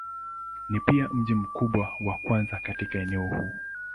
Ni pia mji mkubwa wa kwanza katika eneo huu.